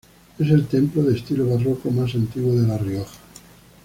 Es el templo de estilo barroco más antiguo de La Rioja.